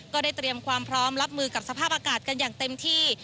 เตรียมความพร้อมรับมือกับสภาพอากาศกันอย่างเต็มที่